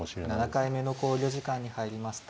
７回目の考慮時間に入りました。